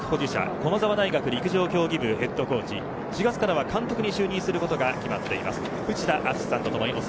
駒澤大学陸上競技部ヘッドコーチ４月からは監督に就任が決まっている藤田敦史さんです。